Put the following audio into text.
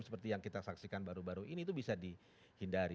seperti yang kita saksikan baru baru ini itu bisa dihindari